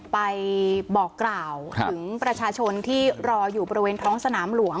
ไปบอกกล่าวถึงประชาชนที่รออยู่บริเวณท้องสนามหลวง